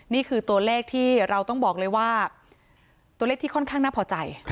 นี่คือตัวเลขที่เราต้องบอกเลยว่าตัวเลขที่ค่อนข้างน่าพอใจ